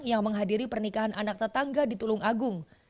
yang menghadiri pernikahan anak tetangga di tulung agung